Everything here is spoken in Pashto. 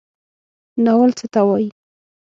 ناول څه ته وایي؟